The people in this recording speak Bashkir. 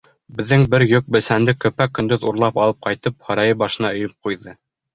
Беҙҙең бер йөк бесәнде көпә-көндөҙ урлап алып ҡайтып, һарайы башына өйөп ҡуйҙы.